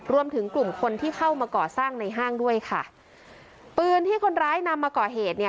รวมถึงกลุ่มคนที่เข้ามาก่อสร้างในห้างด้วยค่ะปืนที่คนร้ายนำมาก่อเหตุเนี่ย